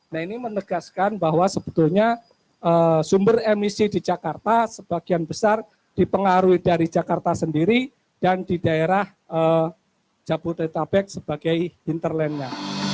nah ini menegaskan bahwa sebetulnya sumber emisi di jakarta sebagian besar dipengaruhi dari jakarta sendiri dan di daerah jabodetabek sebagai hinterlandnya